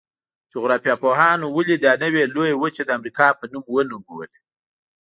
جغرافیه پوهانو ولې دا نوي لویه وچه د امریکا په نوم ونوموله؟